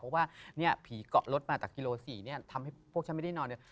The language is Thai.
เพราะว่าเนี่ยผีเกาะรถมาจากกิโล๔เนี่ยทำให้พวกฉันไม่ได้นอนเนี่ย